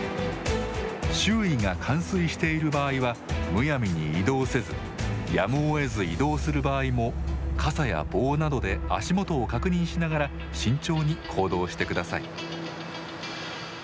周囲が冠水している場合はむやみに移動せずやむをえず移動する場合も傘や棒などで足元を確認しながら慎重に行動してください。